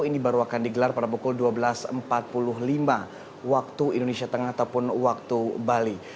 ini baru akan digelar pada pukul dua belas empat puluh lima waktu indonesia tengah ataupun waktu bali